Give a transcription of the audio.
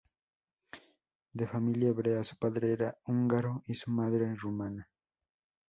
De familia hebrea, su padre era húngaro y su madre rumana.